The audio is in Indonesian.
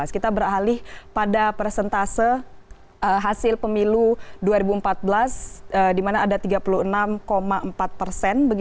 kita beralih pada persentase hasil pemilu dua ribu empat belas di mana ada tiga puluh enam empat persen